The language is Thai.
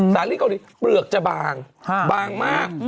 สาลีเกาหลีเปลือกจะบางบางมาก